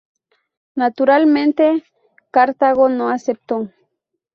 Naturalmente, Cartago no aceptó.